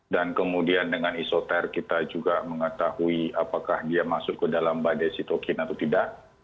dan kemudian dengan esoter kita juga mengetahui apakah dia masuk ke dalam badai sitokin atau tidak